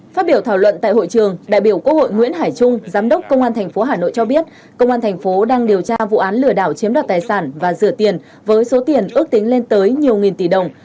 phát biểu thảo luận tại hội trường đại biểu quốc hội nguyễn hải trung giám đốc công an tp hà nội cho biết công an thành phố đang điều tra vụ án lừa đảo chiếm đoạt tài sản và rửa tiền với số tiền ước tính lên tới nhiều nghìn tỷ đồng